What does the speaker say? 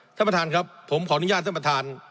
ท่านประธานครับผมขออนุญาตท่านประธาน